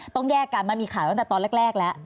ต้องแยกกันมันมีข่าวตั้งแต่ตอนแรกแล้ว